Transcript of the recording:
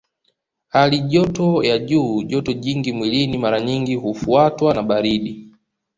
Hali joto ya juu joto jingi mwilini mara nyingi hufuatwa na baridi